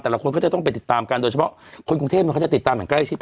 แต่ละคนก็จะต้องไปติดตามกันโดยเฉพาะคนกรุงเทพเขาจะติดตามอย่างใกล้ชิด